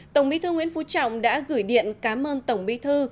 tổng bí thư nguyễn phú trọng đã gửi điện cám ơn tổng bí thư